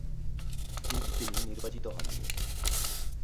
কিন্তু তিনি নির্বাচিত হননি।